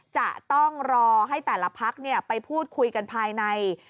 จะต้องรอให้แต่ละพักไปพูดคุยกันภายใน